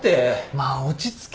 まあ落ち着けって。